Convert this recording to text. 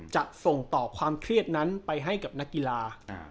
จะส่งต่อความเครียดนั้นไปให้กับนักกีฬา